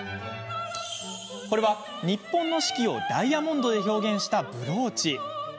これは、日本の四季をダイヤモンドで表現したブローチです。